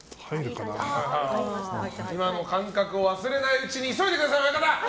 今の感覚を忘れないうちに急いでください、親方！